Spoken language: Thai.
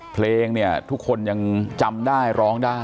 เพลงเนี่ยทุกคนยังจำได้ร้องได้